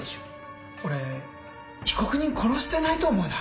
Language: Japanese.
俺被告人殺してないと思うな。